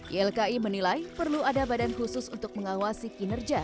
ylki menilai perlu ada badan khusus untuk mengawasi kinerja